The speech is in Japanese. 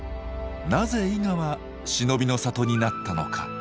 なぜ伊賀は忍びの里になったのか。